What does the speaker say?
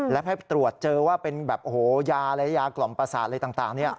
และถ้าให้ตรวจเจอว่าเป็นยาอะไรยากล่อมประสาทอะไรต่างนี่